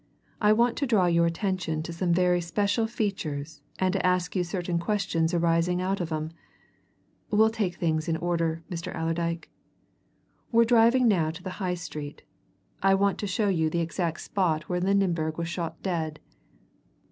"I want to draw your attention to some very special features and to ask you certain questions arising out of 'em. We'll take things in order, Mr. Allerdyke. We're driving now to the High Street I want to show you the exact spot where Lydenberg was shot dead.